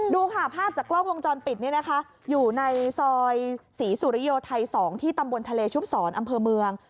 ดูค่ะภาพจากกล้องวงจรปิดนี่นะคะอยู่ในซอยศรีสุริโยไทย๒ที่ตำบลทะเลชุบศรอำเภอเมือง